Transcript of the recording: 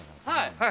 はい。